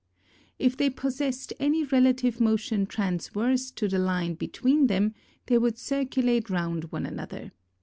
If they possessed any relative motion transverse to the line between them, they would circulate round one another.